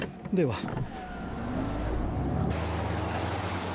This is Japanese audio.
では。